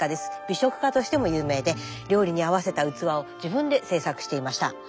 美食家としても有名で料理に合わせた器を自分で制作していました。